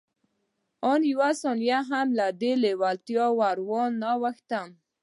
آن يوه ثانيه هم له دې لېوالتیا وانه وښتم.